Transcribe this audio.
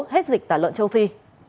hết dịch tả lợn châu phi